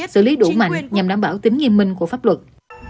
xử lý đủ mạnh nhằm đảm bảo tính nghiêm minh của pháp luật